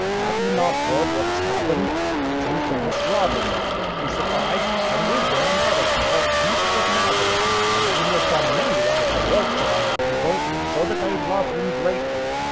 Have you not heard what has happened? Two famous robbers are to be crucified, and with them another, called Jesus of Nazareth, a man who has done many wonderful works among the people, so that they love him greatly.